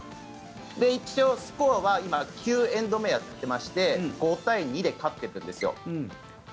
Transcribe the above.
一応、スコアは９エンド目をやっていまして５対２で勝っているんです。